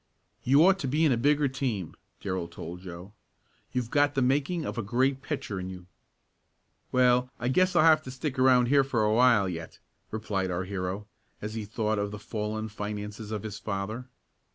"You ought to be in a bigger team," Darrell told Joe. "You've got the making of a great pitcher in you." "Well, I guess I'll have to stick around here for a while yet," replied our hero, as he thought of the fallen finances of his father.